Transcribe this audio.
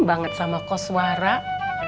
banget sama kos warah